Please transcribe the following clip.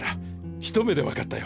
一目でわかったよ